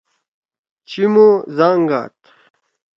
چمو زنگ گاد۔